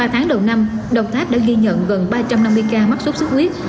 ba tháng đầu năm đồng tháp đã ghi nhận gần ba trăm năm mươi ca mắc sốt xuất huyết